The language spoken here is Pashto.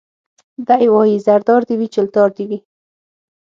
دی وايي زردار دي وي چلتار دي وي